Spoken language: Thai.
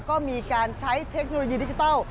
ก็มีการใช้เทคโนโลยีดิจิทัล